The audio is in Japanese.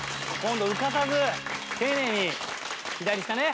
浮かさず丁寧に左下ね。